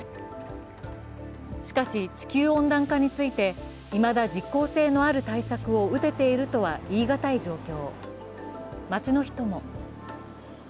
しかし地球温暖化についていまだ実効性のある対策を打てているとは言い難い状況。